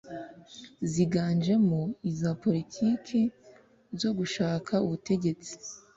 ziganjemo iza politiki zo gushaka ubutegetsi